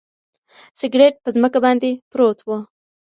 سګرټ په ځمکه باندې پروت و.